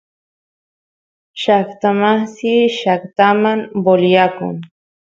llaqtamasiy llaqtaman voliyakun